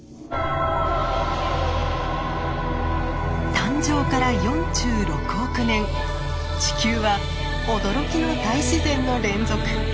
誕生から４６億年地球は驚きの大自然の連続。